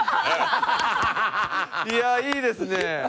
いやいいですね。